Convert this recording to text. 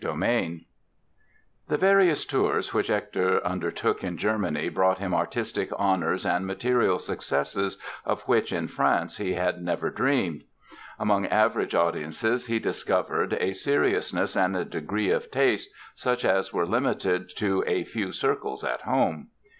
The various tours which Hector undertook in Germany brought him artistic honors and material successes of which in France he never dreamed. Among average audiences he discovered a seriousness and a degree of taste such as were limited to a few circles at home.